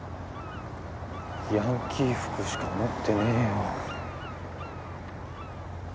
ヤンキー服しか持ってねえよ。